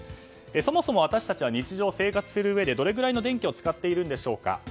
そもそも私たちは日常を生活するうえでどれぐらいの電気を使っているんでしょうか。